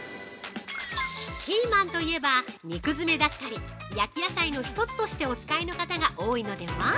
◆ピーマンといえば肉詰めだったり焼き野菜の一つとしてお使いの方が多いのでは？